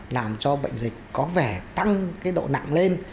làm cho bệnh dịch có vẻ tăng cái độ nặng lên